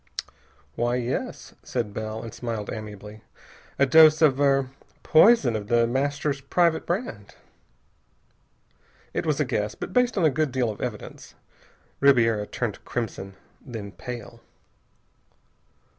"Why, yes," said Bell, and smiled amiably. "A dose of er poison of The Master's private brand." It was a guess, but based on a good deal of evidence. Ribiera turned crimson, then pale.